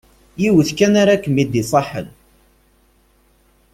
Yiwet kan ara kem-id-iṣaḥen.